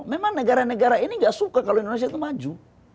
memang negara negara ini gak suka kalau indonesia itu maju